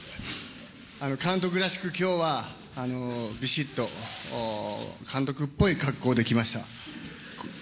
監督らしく、きょうはびしっと監督っぽい格好で来ました。